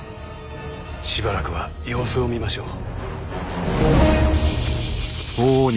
しばらくは様子を見ましょう。